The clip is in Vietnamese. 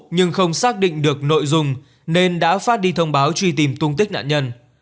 nhưng không xác định được nội dung nên đã phát đi thông báo truy tìm tung tích nạn nhân